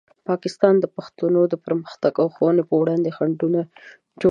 پاکستان د پښتنو د پرمختګ او ښوونې په وړاندې خنډونه جوړوي.